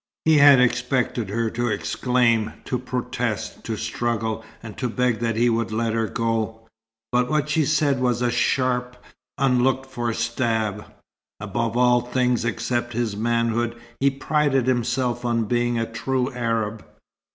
He had expected her to exclaim, to protest, to struggle, and to beg that he would let her go. But what she said was a sharp, unlooked for stab. Above all things except his manhood, he prided himself on being a true Arab.